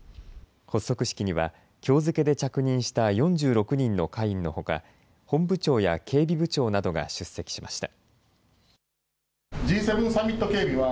発足式にはきょう付けで着任した４６人の課員のほか本部長や警備部長などが出席しました。